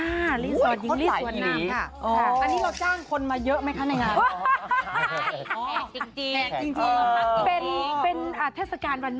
ค่ะรีสอรรตฮิ่งรี้สวนนาม